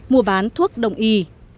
mua bán thuốc đồng y